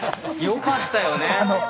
よかったよね？